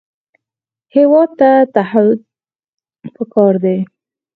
هېواد ته تعهد پکار دی